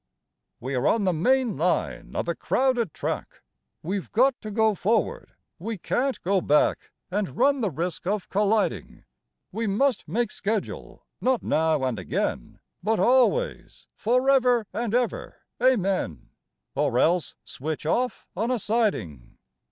We are on the main line of a crowded track; We've got to go forward; we can't go back And run the risk of colliding: We must make schedule, not now and again, But always, forever and ever, amen! Or else switch off on a siding.